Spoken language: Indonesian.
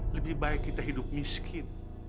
lebih baik kita hidup miskin